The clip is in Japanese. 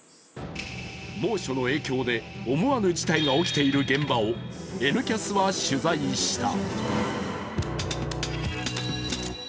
猛暑の影響で思わぬ事態が起きている現場を「Ｎキャス」は取材した。